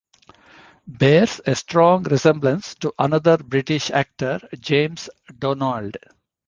Bears a strong resemblance to another British actor James Donald.